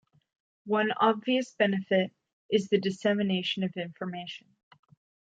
One obvious benefit is the dissemination of information.